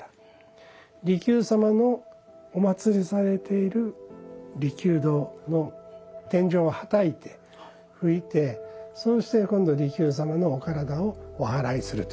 利休様のおまつりされている利休堂の天井をはたいて拭いてそうして今度は利休様のお体をおはらいするということになります。